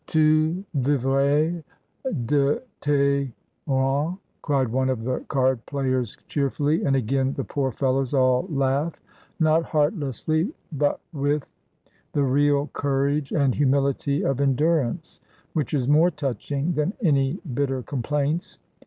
ADIEU LES SONDES D'OR. 1 83 " Tu vivras de ies renieSy^ cried one of the card players cheerfully, and again the poor fellows all laugh, not heartlessly, but with the real courage and humility of endurance, which is more touching than any bitter complaints.